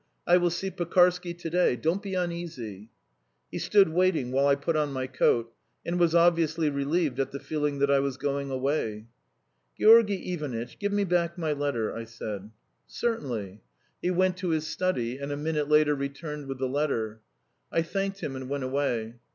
I will see Pekarsky to day. ... Don't be uneasy." He stood waiting while I put on my coat, and was obviously relieved at the feeling that I was going away. "Georgy Ivanitch, give me back my letter," I said. "Certainly." He went to his study, and a minute later returned with the letter. I thanked him and went away.